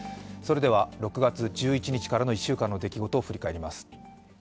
６月１１日からの１週間の出来事を振り返ります。